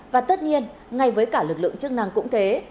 và tất nhiên ngay với cả lực lượng chức năng cũng thế